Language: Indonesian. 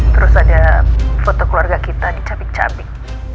terus ada foto keluarga kita dicabik cabik